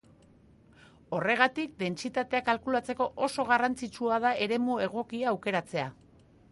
Horregatik, dentsitatea kalkulatzeko oso garrantzitsua da eremu egokia aukeratzea.